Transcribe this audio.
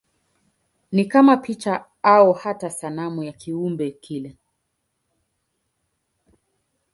Ni kama picha au hata sanamu ya kiumbe kile.